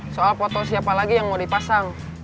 soal foto siapa lagi yang mau dipasang